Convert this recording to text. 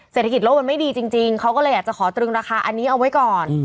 เศรษฐกิจโลกมันไม่ดีจริงเขาก็เลยอยากจะขอตรึงราคาอันนี้เอาไว้ก่อน